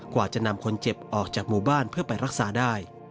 กว่าจะนำคนเจ็บออกจากหมู่บ้านเพื่อไปรักษาได้